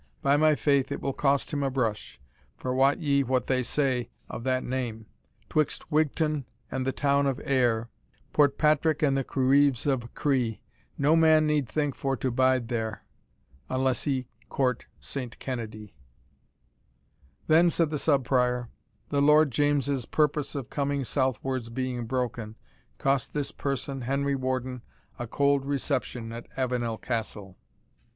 By my faith, it will cost him a brush; for wot ye what they say of that name, "Twixt Wigton and the town of Ayr, Portpatrick and the cruives of Cree, No man need think for to bide there, Unless he court Saint Kennedie.'" "Then," said the Sub Prior, "the Lord James's purpose of coming southwards being broken, cost this person, Henry Warden, a cold reception at Avenel Castle."